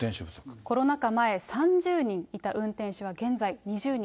コロナ禍前、３０人いた運転手は現在２０人。